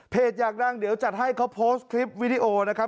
อยากดังเดี๋ยวจัดให้เขาโพสต์คลิปวิดีโอนะครับ